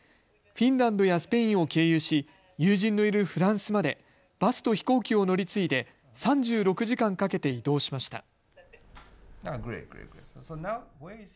フィンランドやスペインを経由し友人のいるフランスまでバスと飛行機を乗り継いで３６時間かけて移動しました。